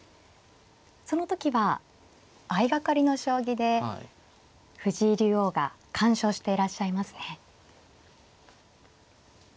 その時は相掛かりの将棋で藤井竜王が完勝していらっしゃいますね。